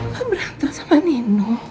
mama berantem sama nino